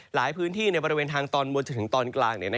หลายพื้นที่ในบริเวณทางตอนบนจนถึงตอนกลาง